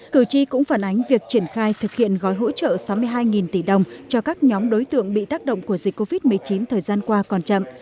cử tri cũng phản ánh việc triển khai thực hiện gói hỗ trợ sáu mươi hai tỷ đồng cho các nhóm đối tượng bị tác động của dịch covid một mươi chín thời gian qua còn chậm